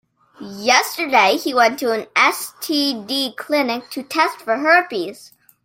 Yesterday, he went to an STD clinic to test for herpes.